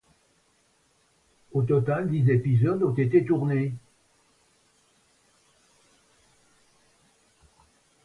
Au total, dix épisodes ont été tournés.